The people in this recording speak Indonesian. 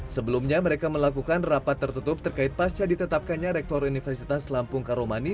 sebelumnya mereka melakukan rapat tertutup terkait pasca ditetapkannya rektor universitas lampung karomani